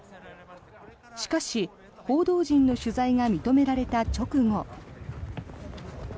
しかし、報道陣の取材が認められた直後。